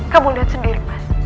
kamu lihat sendiri mas